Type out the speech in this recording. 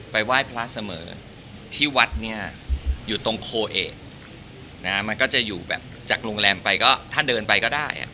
ไหว้พระเสมอที่วัดเนี่ยอยู่ตรงโคเอกมันก็จะอยู่แบบจากโรงแรมไปก็ถ้าเดินไปก็ได้